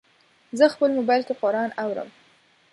زه خپل موبایل کې قرآن اورم.